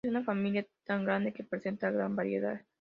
Es una familia tan grande que presenta gran variedad.